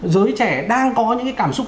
giới trẻ đang có những cái cảm xúc